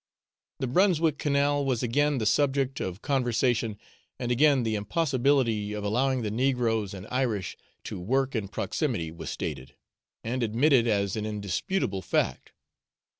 The Brunswick Canal was again the subject of conversation, and again the impossibility of allowing the negroes and Irish to work in proximity was stated, and admitted as an indisputable fact.